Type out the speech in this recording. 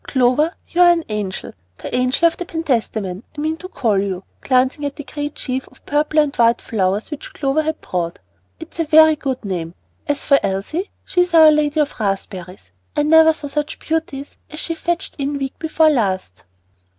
Clover, you are an angel, 'the Angel of the Penstamen' I mean to call you," glancing at the great sheaf of purple and white flowers which Clover had brought. "It's a very good name. As for Elsie, she is 'Our Lady of Raspberries;' I never saw such beauties as she fetched in week before last."